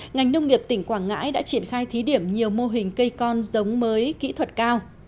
ngành nông nghiệp tỉnh quảng ngãi đã triển khai thí điểm nhiều mô hình cây con giống mới kỹ thuật cao